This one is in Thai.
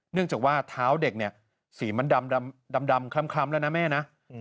เนื่องจากว่าเท้าเด็กเนี่ยสีมันดำคล้ำแล้วนะแม่นะ